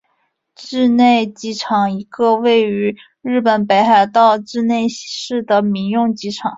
稚内机场一个位于日本北海道稚内市的民用机场。